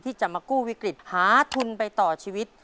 ที่จะมากู้วิกฤตหาทุนไปต่อชีวิต